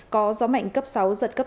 có gió mạnh cấp sáu giật cấp tám